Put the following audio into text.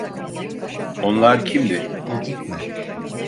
Onlar kimdi?